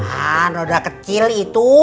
ah noda kecil itu